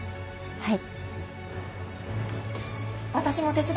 はい！